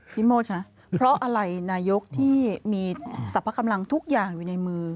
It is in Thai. โมดคะเพราะอะไรนายกที่มีสรรพกำลังทุกอย่างอยู่ในมือ